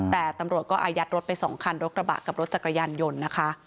แต่ตำรวจก็อายัดรถไป๒คันรถกระบะกับรถจักรยานยนต์นะคะ